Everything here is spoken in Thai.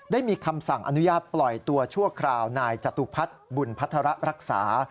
ได้มีคำสั่งอนุญาตปล่อยตัวชั่วคราวนายจตุพัฒน์บุญพัฒระรักษา